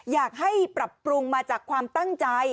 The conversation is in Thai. อยากให้ปรับปรุงมาจากความตั้งใจ